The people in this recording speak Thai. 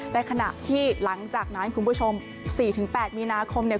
ในขณะที่หลังจากนั้นคุณผู้ชม๔๘มีนาคมเนี่ย